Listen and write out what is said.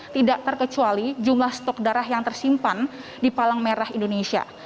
tidak terkecuali jumlah stok darah yang tersimpan di palang merah indonesia